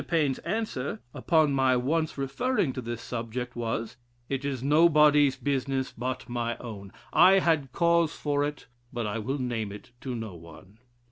Paine's answer, upon my once referring to this subject, was, 'It is nobody's business but my own: I had cause for it, but I will name it to no one.'....